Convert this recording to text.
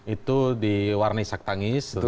itu diwarnai sak tangis